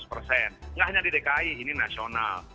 tidak hanya di dki ini nasional